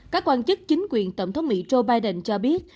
các quan chức chính quyền tổng thống mỹ joe biden cho biết